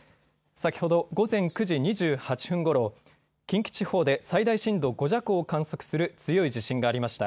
先ほど午前９時２８分ごろ、近畿地方で最大震度５弱を観測する強い地震がありました。